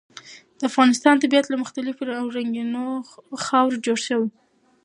د افغانستان طبیعت له مختلفو او رنګینو خاورو جوړ شوی دی.